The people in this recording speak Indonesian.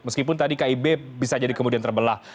meskipun tadi kib bisa jadi kemudian terbelah